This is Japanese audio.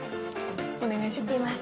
お願いします。